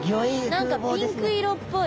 なんかピンク色っぽい。